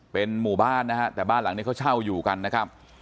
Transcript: เป็นหมู่บ้านนะฮะแต่บ้านหลังนี้เขาเช่าอยู่กันนะครับ